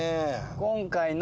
今回の。